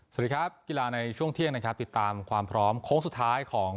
สวัสดีครับกีฬาในช่วงเที่ยงนะครับติดตามความพร้อมโค้งสุดท้ายของ